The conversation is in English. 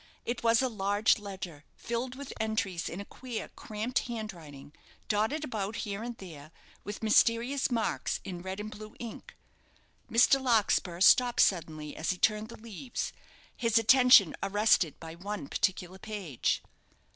It was a large ledger, filled with entries, in a queer, cramped handwriting, dotted about, here and there, with mysterious marks in red and blue ink. Mr. Larkspur stopped suddenly, as he turned the leaves, his attention arrested by one particular page.